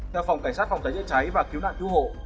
theo phòng cảnh sát phòng cháy chữa cháy và cứu nạn cứu hộ